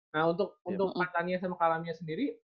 nah untuk pertanian sama kalamnya sendiri